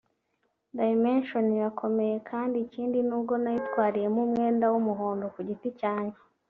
Dimension irakomeye kandi ikindi nubwo nayitwariyemo umwenda w’umuhondo ku giti cyanje